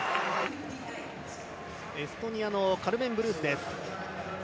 エストニアのカルメン・ブルースです。